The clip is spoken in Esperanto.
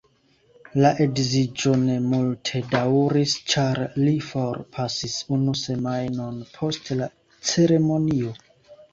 La edziĝo ne multe daŭris ĉar li forpasis unu semajnon post la ceremonio.